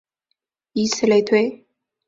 以此类推。